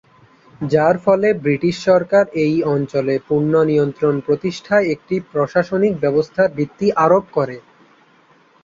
যার ফলে, ব্রিটিশ সরকার এই অঞ্চলে পূর্ণ নিয়ন্ত্রণ প্রতিষ্ঠায় একটি প্রশাসনিক ব্যবস্থার ভিত্তি আরোপ করে।